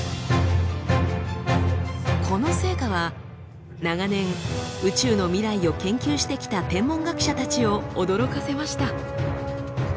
この成果は長年宇宙の未来を研究してきた天文学者たちを驚かせました。